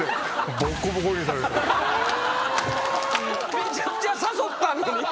めちゃくちゃ誘ったのに。